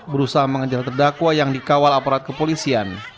berusaha mengejar terdakwa yang dikawal aparat kepolisian